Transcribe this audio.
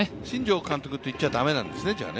新庄監督と言っちゃ駄目なんですね。